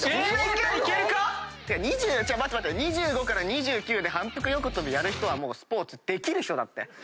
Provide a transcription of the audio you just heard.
２５から２９で反復横跳びやる人はもうスポーツできる人だって！